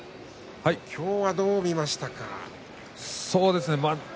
今日はどう見ましたか。